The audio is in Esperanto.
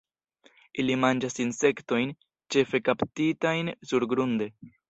Ili manĝas insektojn, ĉefe kaptitajn surgrunde.